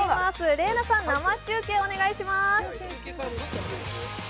麗菜さん、生中継お願いします。